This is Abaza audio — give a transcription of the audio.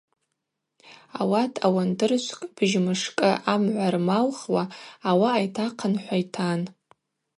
Ауат ауандыршвкӏ быжьмышкӏы амгӏва рмаухуа ауаъа йтахъынхӏвуа йтан.